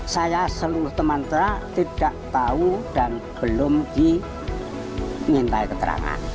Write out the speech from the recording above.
saya seluruh teman teman tidak tahu dan belum dimintai keterangan